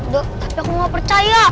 dok tapi aku gak percaya